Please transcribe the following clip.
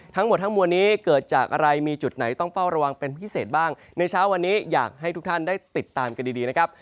ทั้งหมดทั้งมวลนี้เกิดจากอะไรมีจุดไหนต้องเฝ้าระวังเป็นพิเศษบ้างในเช้าวันนี้อยากให้ทุกท่านได้ติดตามกันดีดีนะครับ